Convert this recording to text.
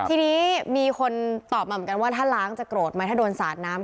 ทีนี้มีคนตอบมาเหมือนกันว่าถ้าล้างจะโกรธไหมถ้าโดนสาดน้ำ